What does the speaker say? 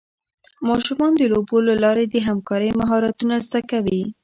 ماشومان د لوبو له لارې د همکارۍ مهارتونه زده کوي.